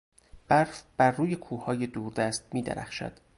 برف برروی کوههای دوردست میدرخشد.